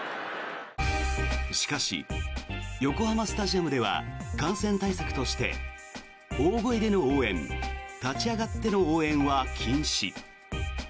しかし、横浜スタジアムでは感染対策として大声での応援立ち上がっての応援は禁止。